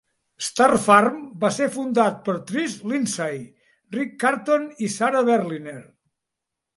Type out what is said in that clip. Star Farm va ser fundat per Trish Lindsay, Rick Carton i Sara Berliner.